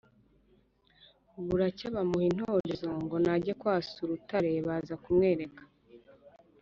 buracya bamuha intorezo ngo najye kwasa urutare baza kumwereka.